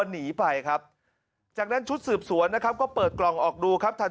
หนีไปครับจากนั้นชุดสืบสวนนะครับก็เปิดกล่องออกดูครับทัน